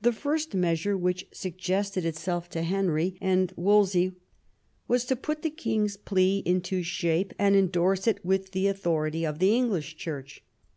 The first measure which suggested itself to Henry and Wolsey was to put the king's plea into shape, and endorse it with the authority of the English Church.